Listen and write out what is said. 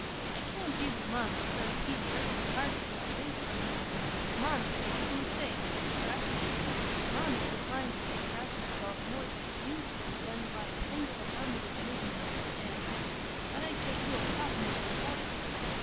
"I can't give you Mumps, 'cause he'd break his heart to go away from me—eh, Mumps, what do you say, you riff raff?" (Mumps declined to express himself more diffusely than by a single affirmative movement of his tail.) "But I'd get you a pup, Miss, an' welcome."